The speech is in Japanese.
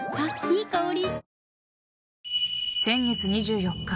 いい香り。